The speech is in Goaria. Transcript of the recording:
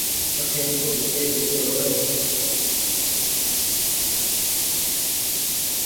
وٺي رڳو ڀيٽي ئي ڀيٽي هووي